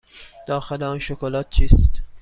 داخل آن شکلات چیست؟